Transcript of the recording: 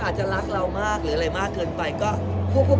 ก็อาจจะรักเรามากหรืออะไรมากเกินไปก็พวกใส่ไป